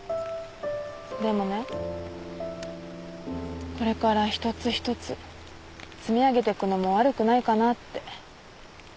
でもねこれから一つ一つ積み上げてくのも悪くないかなって。